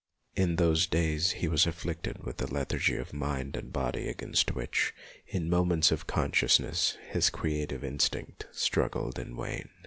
In those days he was afflicted with a lethargy of mind and body against which, in moments of consciousness, his creative instinct struggled in vain.